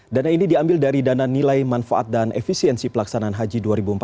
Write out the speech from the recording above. dana ini diambil dari dana nilai manfaat dan efisiensi pelaksanaan haji dua ribu empat belas dua ribu sembilan belas